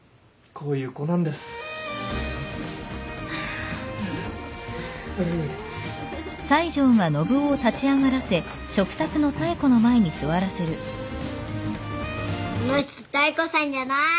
この人妙子さんじゃない！